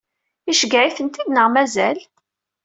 Iceggeɛ-iten-id neɣ mazal?